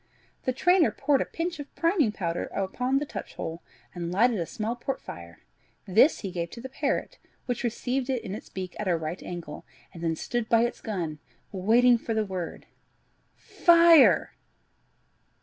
The trainer poured a pinch of priming powder upon the touch hole, and lighted a small port fire; this he gave to the parrot, which received it in its beak at a right angle, and then stood by its gun, waiting for the word. "Fire!"